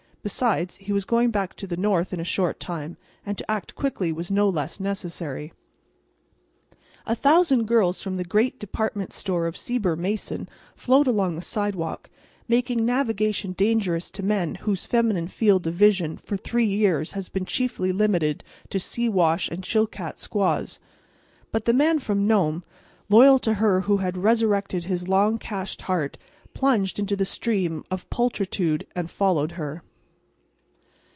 Besides, he was going back to the North in a short time, and to act quickly was no less necessary. A thousand girls from the great department store of Sieber Mason flowed along the sidewalk, making navigation dangerous to men whose feminine field of vision for three years has been chiefly limited to Siwash and Chilkat squaws. But the Man from Nome, loyal to her who had resurrected his long cached heart, plunged into the stream of pulchritude and followed her.